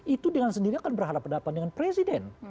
itu dengan sendiri akan berhadapan hadapan dengan presiden